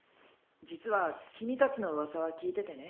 実は君たちの噂は聞いててね。